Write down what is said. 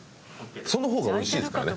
その方が美味しいですからね。